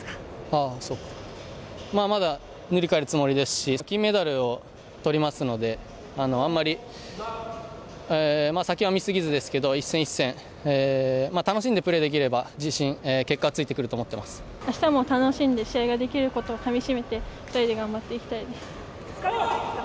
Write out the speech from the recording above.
ああ、そうか、まだ塗り替えるつもりですし、金メダルをとりますので、あんまり先を見すぎずですけど、一戦一戦、楽しんでプレーできれば、あしたも楽しんで試合ができることをかみしめて、２人で頑張っていきたいです。